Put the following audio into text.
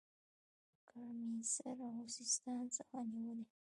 ګرمسېر او سیستان څخه نیولې.